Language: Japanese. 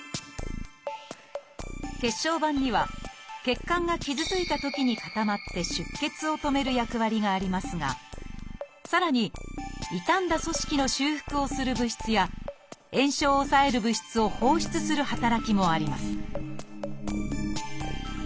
血小板には血管が傷ついたときに固まって出血を止める役割がありますがさらに傷んだ組織の修復をする物質や炎症を抑える物質を放出する働きもあります